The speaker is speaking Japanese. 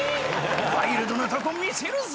ワイルドなとこ見せるぜ。